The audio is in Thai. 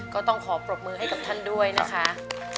ก็ต้องขอปรบมือให้กับท่านด้วยนะคะ